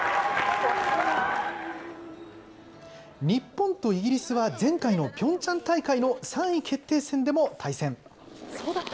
日本とイギリスは前回のピョンチャン大会の３位決定戦でも対戦。